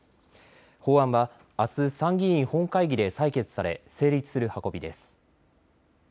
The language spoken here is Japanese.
法案は、あす参議院本会議で採決され成立する運びです。